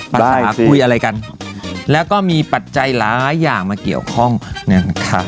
ได้พังษากุยอะไรกันแล้วก็มีปัจจัยหลายอย่างมาเกี่ยวข้องนั่นค่ะ